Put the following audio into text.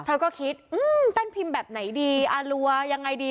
เธอก็คิดเต้นพิมพ์แบบไหนดีอารัวยังไงดี